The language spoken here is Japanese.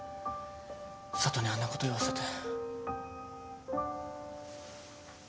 佐都にあんなこと言わせて。